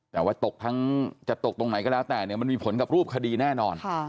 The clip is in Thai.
แต่ว่าจะตกตรงไหนก็แล้วแต่มันมีผลกับรูปคดีแน่นอน